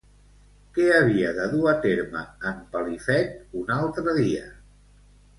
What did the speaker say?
Què havia de dur a terme en Pelifet un altre dia?